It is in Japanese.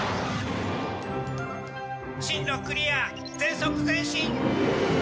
進路クリア全速前進！